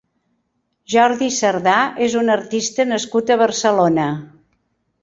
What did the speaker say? Jordi Cerdà és un artista nascut a Barcelona.